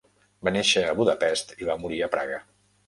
Va néixer a Budapest i va morir a Praga.